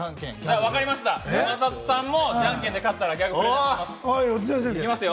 山里さんも、じゃんけんで勝ったらギャグあげます。